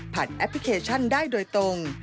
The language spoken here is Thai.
แอปพลิเคชันได้โดยตรง